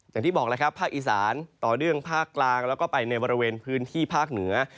อย่างที่บอกแล้วครับภาคอีสานต่อเนื่องภาคกลางแล้วก็ไปในบริเวณพื้นที่ภาคเหนือ